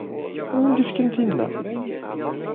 Anwa i am-d-ifkan tinna?